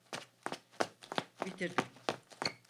Bitirdim.